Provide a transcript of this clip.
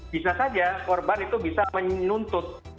bisa saja korban itu bisa menuntut